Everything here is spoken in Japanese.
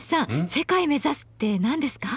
世界目指すって何ですか？